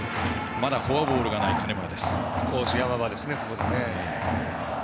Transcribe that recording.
まだフォアボールがない金村。